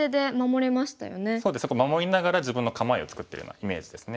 守りながら自分の構えを作ってるようなイメージですね。